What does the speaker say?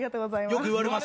よくいわれますか？